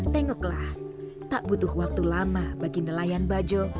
tengoklah tak butuh waktu lama bagi nelayan bajo